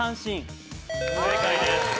正解です。